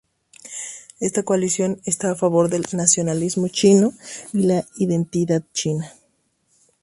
Esta coalición está a favor del nacionalismo chino y la identidad china.